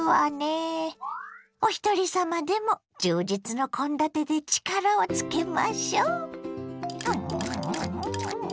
おひとり様でも充実の献立で力をつけましょ。